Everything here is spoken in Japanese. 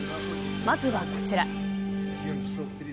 まずはこちら。